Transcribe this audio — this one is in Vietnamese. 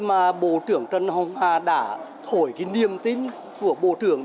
mà bộ trưởng trần hồng hà đã thổi cái niềm tin của bộ trưởng